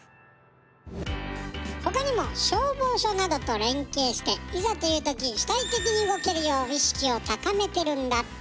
ほかにも消防署などと連携していざという時主体的に動けるよう意識を高めてるんだって。